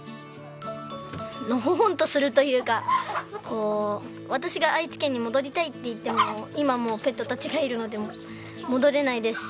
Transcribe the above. のほほんとするというか私が愛知県に戻りたいって言っても今もうペットたちがいるので戻れないですし。